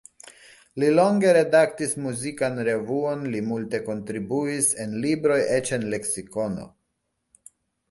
Li longe redaktis muzikan revuon, li multe kontribuis en libroj, eĉ en leksikono.